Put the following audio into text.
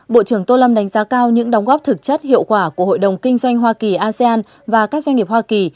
bộ trưởng tô lâm đánh giá cao những đóng góp thực chất hiệu quả của hội đồng kinh doanh hoa kỳ asean và các doanh nghiệp hoa kỳ